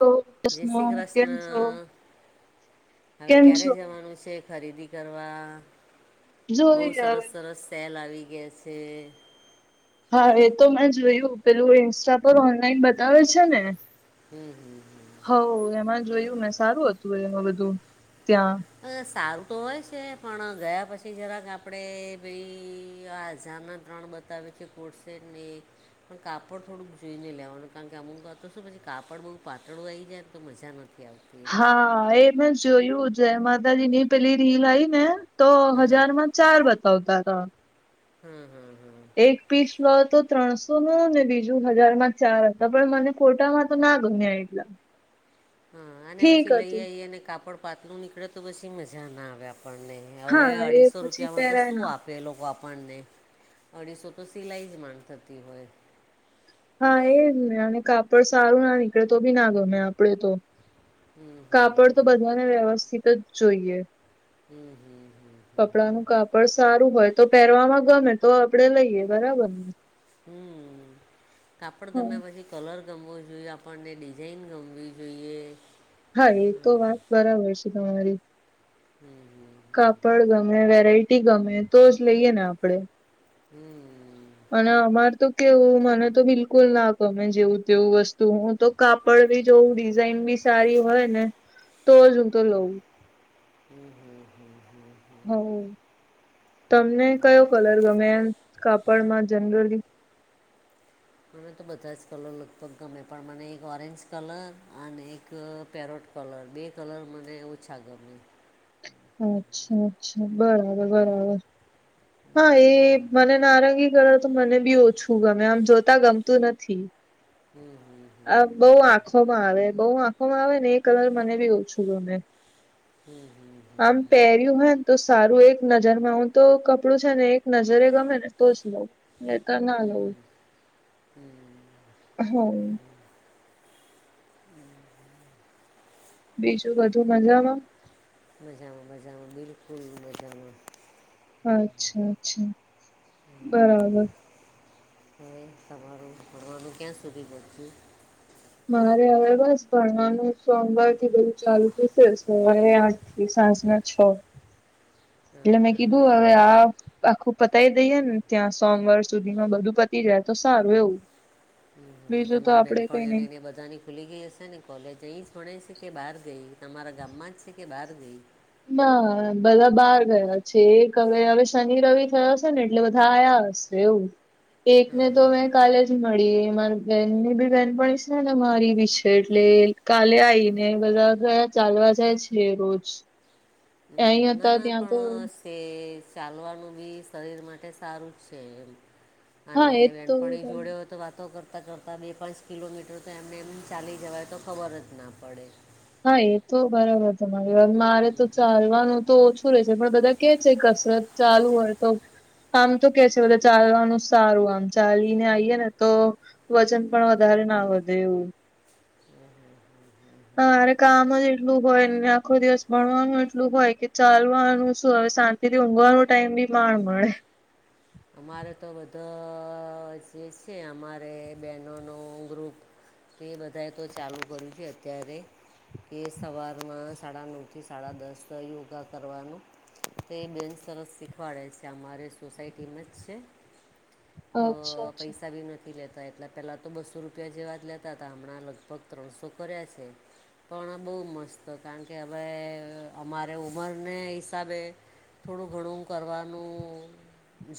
તો જય શ્રી કૃષ્ણ કેમ છો કૃષ્ણ. હવે કેમ ક્યારે છો જવાનું છે ખરીદી? કરવા બહુ જોઈ સરસ હવે સરસ સેલ આવી ગયા છે. હા એ તો મેં જોયું પેલું ઇન્સ્ટા પર ઓનલાઈન બતાવે છે ને હમ હમ. હ એમાં જોયું મેં સારું હતું એમાં બધું ત્યાં અ સારું તો હોય છે પણ ગયા પછી જરાક આપણે ભાઈ આઝારના ત્રણ બતાવે છે કોડસેટને એક પણ કાપડ થોડુંક જોઈને લેવાનું કારણ કે અમુક વાર તો છે ને કાપડ બો પાતળું આવી જાય તો મજા નથી આવતી. હા એ મેં જોયું. જય માતાજી ની પેલી રીલ આઈ ને તો હમ હજારમાં ચાર બતાવતા હતા. હમમ હમમ હમમ એક પીસ લો તો ત્રણસો નો ને બીજું હજારમાં ચાર હતા પણ મને કોર્ટામાં તો ના ગમ્યા એટલા. [inaudible] હા અને ઠીક પછી લઈ હતું આઈએ અને કાપડ પાતળું નીકળે તો પછી મજા ના આવે આપણને. હવે હા એ અઢીસો પછી રૂપિયામાં તો પહેરાય શું ના આપે એ લોકો આપણને અઢીસો તો સિલાઈ જ થતી હોય. હા એ જ ને અને કાપડ સારું ના નીકળે તો બી ના ગમે આપડે તો. હમ હમ કાપડ તો હમ બધાને વ્યવસ્થિત જ જોઈએ. હમમ હમમ. કપડા નું કાપડ સારું હોય તો પહેરવામાં ગમે તો આપડે લઈએ બરાબર ને. હમમ કાપડ હા ગમ્યા પછી કલર ગમવો જોઈએ આપણને, ડિઝાઇન ગમવી જોઈએ. હા એ તો વાત બરાબર છે તમારી. હમમ હમમ. કાપડ ગમે, વેરાયટી ગમે તો જ લઈએ ને આપડે. હમમ. અને અમાર તો કેવું મને તો બિલકુલ ના ગમે જેવું તેવું વસ્તુ. હું તો કાપડ બી જોઉું, ડિઝાઇન બી સારી હોય ને તો જ હું તો લઉં. હમમ હમમ હમમ હમમ હમમ. હ તમને કયો કલર ગમે એમ કાપડમાં જનરલી? મને તો બધા જ કલર લગભગ ગમે પણ મને એક ઓરેન્જ કલર અને એક પેરોટ કલર બે કલર મને ઓછા ગમે. અચ્છા અચ્છા બરાબર બરાબર. હમ હા હમ એ હમ મને નારંગી કલર તો મને બી ઓછું ગમે આમ જોતા ગમતું નથી. [inaudible] હમ આ હમ બો આંખો માં આવે. બો આંખોમાં આવે ને એ કલર મને બી ઓછું ગમે. [inaudible] હમમ હમમ. આમ પહેર્યું હોય ને તો સારું એક નજર માં હું તો કપ કપડું છે ને એક નજરે ગમે ને તો જ લઉં ની તો નય લઉ. હમમ. બીજું બધું મજામાં. હમમ હમમ મજામાં બો બિલકુલ મજા. અચ્છા અચ્છા બરાબર. હા હવારે [unintelligible] તમે ક્યાં સુધી વાચ્યું? મારે હવે બસ ભણવાનું સોમવાર થી બધું ચાલુ થશે સવારે આઠથી. સાંજ ના છ. હા એટલે મેં હા કીધું હા હવે આ. આખું પતાય દઈએ ને ત્યાં સોમવાર સુધીમાં બધું પતી જાય તો સારું એવું. હમમ હમમ. બીજું તો તમારી આપડે કઈ નઈ. બેનપણીઓને ને બધાની ખુલી ગઈ હશે ને કોલેજ અહીં ભણે છે કે બહાર ગઈ તમારા ગામમાં જ છે કે બહાર ગઈ. ના બધા બહાર ગયા છે એક હવે શનિ, રવિ જ આવે છે ને એટલે બધા આયા હસે. એવું હા એકને તો હા હમ મેં કાલે જ મળી મારી બેન ની બેનપણી છે ને મારી બી છે એટલે. કાલે આવીઈને બધા ઘ ચાલવા જાય છે રોજ. હમ. અહીં ના હતા ના ત્યાં તો પણ ચાલવાનું બી શરીર માટે સારું જ છે એમ. હા અને એ તો વેનપણી જોડ્યો તો વાત. તો કરતાં કરતાં બે પાંચ કિલોમીટર તો એમને એમ ચાલી જવાય તો ખબર જ ના પડે. હા એ તો બરાબર તમારી મારે તો ચાલવાનું તો. તુરે છે પણ બધા કે છે કસરત ચાલુ હોય તો. આમ તો કે છે બધા ચાલવાનું સારું આમ ચાલીને આઈએ ને તો. વજન પણ વધારે ના વધે એવું મારે કામ જ એટલું હોય આખો દિવસ ભણવાનું એટલું હોય કે ચાલવાનું શું હવે શાંતિ. તેથી ઊઘવાનો ટાઈમ બી માણ મળે. અમારે તો બધા જે છે અમારે બહેનોનો ગુપ. તો એ બધાએ તો ચાલુ કર્યું છે અત્યારે. કે સવારમાં સાડા નવથી સાડા દસ યોગા કરવાનો‌. તે બેન સરસ શીખવાડે છે અમારે સોસાયટીમાં જ. તો અચ્છા અચ્છા પૈસા બી નથી લેતા. એટલા પહેલાં તો બસો રૂપિયા જેવા જ લેતા હતા હમણાં લગભગ ત્રણસો કર્યા છે. પણ બહુ મસ્ત કારણ કે હવે અમારે ઉંમરને હિસાબે. થોડું ઘણું કરવાનું.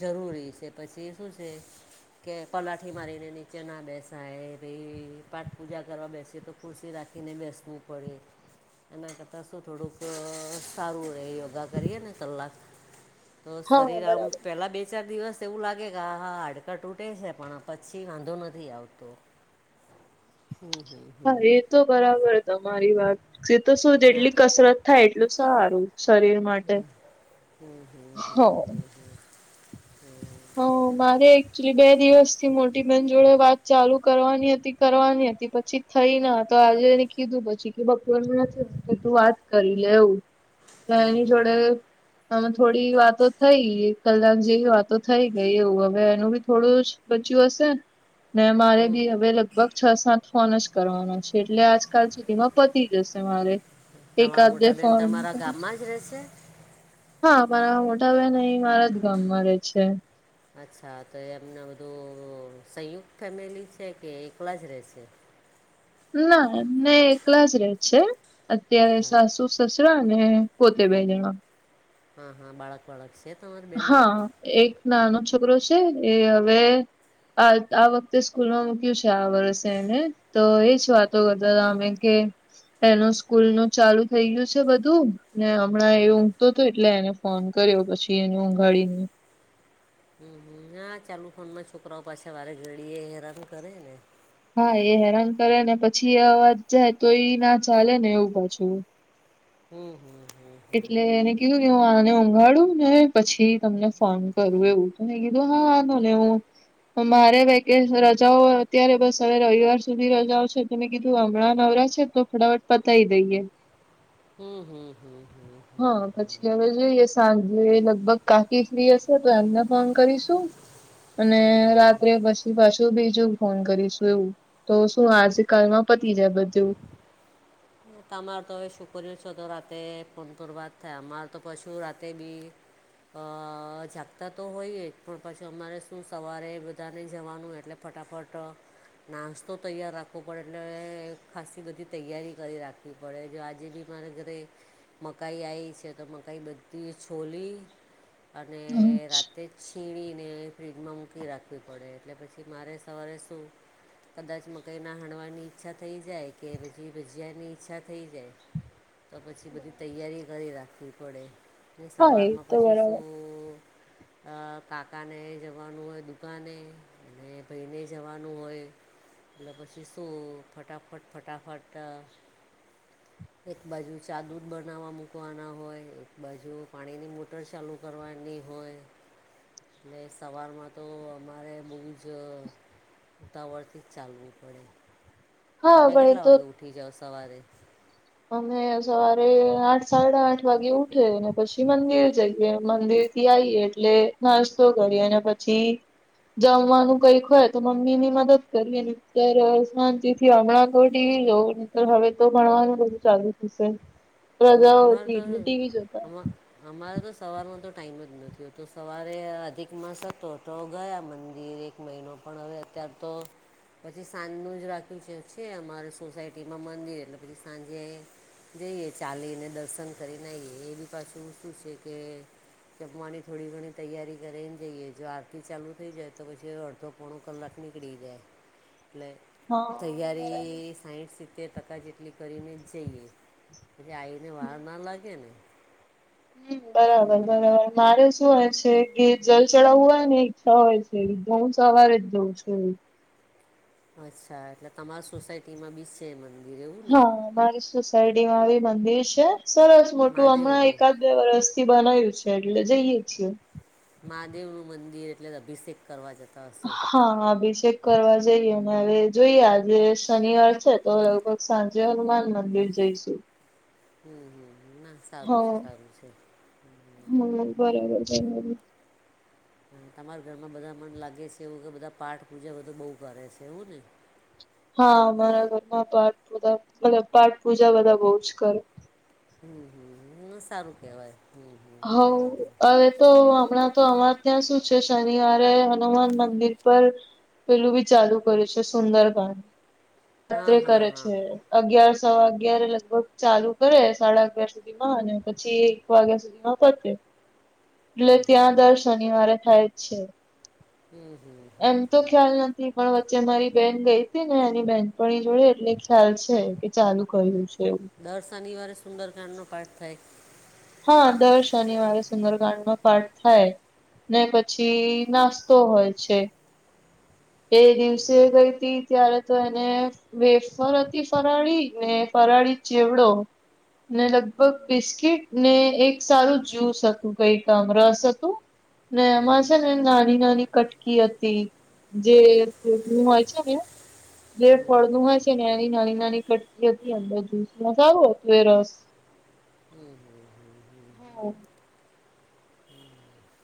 જરૂરી છે પછી શું છે. કે પલાઠી મારીને નીચે ના બેસાય ભાઈ પાઠ પૂજા કરવા બેસી તો. કુરસી રાખીને બેસવું પડે એના કરતાં શું થોડુંક. સારું રહે યોગા કરીએ ને કલાક તો હા શરીર આમ બરાબર. પેલા બે. બે ચાર દિવસ તો એવું લાગે કે આ હા હાડકા તૂટે છે પણ પછી વાંધો નથી આવતો. હમ હમ. હા એ તો બરાબર તમારી વાત જે તો શું ના જેટલી કસરત થાય એટલું સારું શરીર. માટે. હમ હમ હ હો હ હ હ હમ. હ મારે એકચુલી બે દિવસ થી મોટી બહેન જોડે વાત ચાલુ કરવાની હતી કરવાની હતી પછી. થઈ ના તો આજે એને કીધું પછી કે બપોનું નથી કે તું વાત કરી લેવું. હમ એની હમ જોડે હમ. આમાં થોડી વાતો થઈ કલાક જેવી વાત. તો થઈ ગઈ એવું હવે એનું બી થોડું બચ્યું હશે ને મારે હમ બી હવે લગ ભગ છ સાત ફન જ કરવાના છે એટલે આજકાલ સુધી માં પતી જશે મારે. તમારા એકદલે મોટા બેન ફોર્મ તમારા પર ગામમાં જ રહે છે હા પણ મોટા બહેન અહી મારા જ ગામમાં રહેે છે. અચ્છા તો એ એમને બધું સંયુક્ત ફેમિલી છે કે એકલા જ રહેશે. નાને એકલા જ રે છે અત્યારે હા સાસુ. સસરા અને પોતે બે જણા. હા હા બાળક વાળક છે તમારી બેનને હા એક હ. નાનો છોકરો છે એ હવે આ આ વખતે સ્કૂલમાં મૂક્યું છે આ વર્ષે એને તો એજ વાતો કરતા હતા અમે કે. એનું સ્કૂલ નું ચાલુ થઈ ગયું છે બધું. ને હમણાં એ ઊંઘતો તો, એટલે એને ફોન કર્યો પછી એને ઊંઘાડીને. હમ્મ-હમ્મ, ના ચાલુ ફોનમાં છોકરાઓ પાછા વારે ઘડી એ હેરાન કરે ને. હા એ હેરાન કરે ને પછી એ અવાજ જાય તો ઈ ના ચાલે ને એવું પાછું. હમ હમ હમ. એટલે એને કીધું કે હું આને ઊંઘાડું ને પછી તમને ફોન કરું એવું. હે ગી હા નો નવું. મારે વકે રજાઓ અત્યારે બસ હવે રવિવાર સુધી રજાઓ છે ત મેં કીધું હમણાં નવરા છે તો. ફટાફટ પતાઈ દઈએ. હમ હમ હમ હમ. હા પછી હવે જોઈએ સાંજે લગભગ કાકી ફ્રી હશે તો એમને ફોન કરીશું. અને રાત્રે બસ થી પાછું બીજું ફોન કરીશું એવું, તો શું આજકાલમાં પતી જાય બધું. તો તમાર તો હવે સોકરીઓ સે તો રાતે ફોન પર વાત થાય, અમાર તો પાછું રાતે બી અહ જાગતા તો હોઈએ, પણ પાછું અમારે શું સવારે બધાને જવાનું એટલે ફટાફટ નાસ્તો તૈયાર રાખવો પડે, એટલે ખાસસી બધી તૈયારી કરી રાખવી પડે. જો આજે બી મારે ઘરે મકાઈ આવી છે, તો મકાઈ બધી છોલી, અને રાતે જ છીણીને ફ્રીજમાં મૂકી રાખવી પડે, એટલે પછી મારે સવારે શું કદાચ મકાઈ ના હણવાની ઈચ્છા થઈ જાય, કે પછી ભજીયા ની ઈચ્છા થઈ જાય, તો પછી બધી તૈયારી કરી રાખવી પડે. અને હા એ સવારમાં તો પછી બરાબર શું અહ કાકાને જવાનું હોય દુકાને, અને ભઈને જવાનું હોય એટલે પછી શું ફટાફટ-ફટાફટ તા એક બાજુ ચા દૂધ બનાવવા મૂકવાના હોય, એક બાજુ પાણી ની મોટર ચાલુ કરવાની હોય એટલે સવારમાં તો અમારે બહુ જ ઉતાવળથી જ ચાલવું પડે. તો હા તમે પણ એ કેટલા તો વાગે ઉઠી જાઓ સવારે? અમે સવારે આઠ, સાડા આઠ વાગે ઉઠે, ને પછી મંદિર જઈએ, મંદિર થી આઈ એટલે નાસ્તો કરી અને પછી જમવાનું કંઈક હોય તો મમ્મી ની મદદ કરીએ, નીતર શાંતિથી થી હમણાં તો ટી વી જોઉં, નીતર હવે તો ભણવાનું બધું ચાલુ થશે. હમ, રજાઓ અમારે હતી તો એટલે ટી વી જોતા. અમા અમારે તો સવારમાં તો ટાઈમ જ નથી હોતો. સવારે આ અધિકમાસ હતો તો ગયા મંદિર મહિનો પણ હવે અત્યાર તો પછી સાંજ નું જ રાખ્યું છે, છે અમારે સોસાયટીમાં મંદિર, એટલે પછી સાંજે જઈએ ચાલીને દર્શન કરીને આઈએ, એ ભી પાછું શું સે કે જમવાની થોડી ઘણી તૈયારી કરીન જઈએ, જો આરતી ચાલુ થઈ જાય તો પછી અડધો પોણો કલાક નીકડી જાય એટલે હા તૈયારી સાઈઠ, સિત્તેર ટકા જેટલી કરીને જ જઈએ. પછી આઈને વાર ન લાગે ને. હમ્મ, બરાબર-બરાબર. મારે શું હોય છે, કે જલ ચડાવવું હોય, ને ઈચ્છા હોય છે એવી, તો હું સવારે જ જઉં છું એમ. અચ્છા, એટલે તમાર સોસાયટીમાં બી સે મંદિર, એવું ને? હા અમારી સોસાયટીમાં આવી મંદિર છે, સરસ મોટું હમણાં મહાદેવનું એકાદ બે વરસ થી બનાયું છે, એટલે જઈએ છીએ. મહાદેવનું મંદિર એટલે અભિષેક કરવા જતા હશો. હા, હા અભિષેક કરવા જઈએ, અને હવે જોઈએ આજે શનિવાર છે તો સાંજે હનુમાન મંદિર જઈશું. હમ્મ-હમ્મ ના, સારું છે-સારું છે. હમ્મ, બરાબર-બરાબર. હા તમારા ઘરમાં બધા મન લાગે છે, એવું કે બધા પાઠ પૂજા બધું બહુ કરે છે. એવું ને? હા, અમારા ઘરમાં પાઠ પૂજા મતલબ પાઠ પૂજા બધા બહું જ કરે. હમ હમ હ સારું કેવાય. હોવ. હવે તો હમણાં તો અમાર ત્યાં શું છે શનિવારે હનુમાન મંદિર પર પેલું બી ચાલુ કર્યું છે, સુંદર [unintelligible] હા રાત્રે હા કરે હા છે એ. અગિયાર, સવા અગિયાર એ લગભગ ચાલુ કરે, સાડા અગિયાર સુધી માં, અને પછી એક વાગ્યા સુધી તે એટલે ત્યાં દર શનિવારે થાય જ છે. હમ હમ. એમ તો ખ્યાલ નથી. પણ વચ્ચે મારી બેન ગઈ હતી ને એની બેહેનપણી પણ એ જોડે એટલે ખ્યાલ છે કે ચાલુ કર્યું છે એવું. દર શનિવારે સુંદરકાંડનો પાઠ થાય. હા દર શનિવારે સુંદરકાડ નો પાઠ થાય. ને પછી નાસ્તો હોય છે. એ દિવસે ગઈ હતી. ત્યારે તો એને વેફર હતી ફરાળી ને ફરાળી ચેવડો. ને લગભગ બિસ્કીિટ ને એક સારું જ્યુસ હતું કઈકામ રસ હતું. ને એમાં છે ને નાની નાની કટકી હતી જે હોય છે ને! જે ફળનું હોય છે ને એની નાની નાની કટકી હતી અંદર જૂસમાં સારું હતું એ રસ. હમ હમ હમ હા હમ હમ.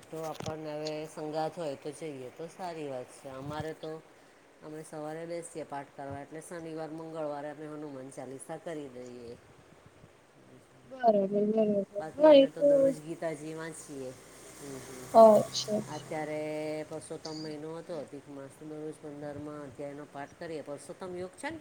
એ તો આપણને હવે સંગાથ હોય તો જઈએ તો સારી વાત છે અમારે તો અમે સવારે બેસીએ પાઠ કરવા એટલે શનિવાર મંગળવારે અને હનુમાન ચાલીસા કરી દઈએ. બરાબર બરાબર. બાકી હા એ અમે તો દરરોજ ગીતાજી વાંચીએ હ અચ્છા અચ્છા. અત્યારે પરસોતમ મહિનો હતો અઘીક માસો રોજ પંદરમાં અધ્યાય નો પાઠ કરી પરસોતમ યોગ છે ને